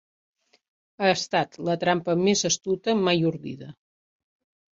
Ha estat la trampa més astuta mai ordida.